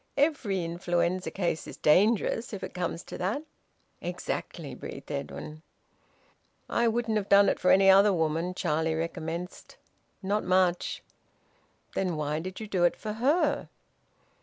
Every influenza case is dangerous, if it comes to that." "Exactly," breathed Edwin. "I wouldn't have done it for any other woman," Charlie recommenced. "Not much!" "Then why did you do it for her?"